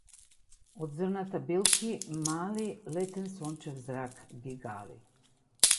Од зрната билки мали - летен сончев зрак ги гали.